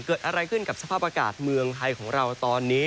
เกิดอะไรขึ้นกับสภาพอากาศเมืองไทยของเราตอนนี้